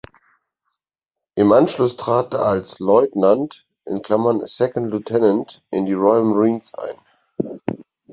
Im Anschluss trat er als Leutnant "(Second Lieutenant)" in die "Royal Marines" ein.